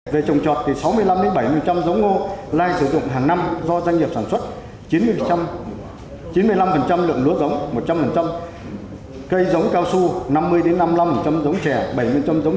về trồng trọt thì sáu mươi năm bảy mươi giống ngô lại sử dụng hàng năm do doanh nghiệp sản xuất chín mươi năm lượng lúa giống một trăm linh